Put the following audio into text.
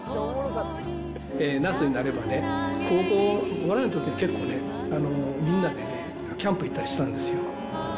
夏になればね、われわれのときは結構ね、みんなでね、キャンプ行ったりしてたんですよ。